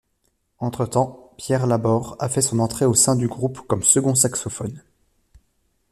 Entre-temps, Pierre Labor a fait son entrée au sein du groupe comme second saxophone.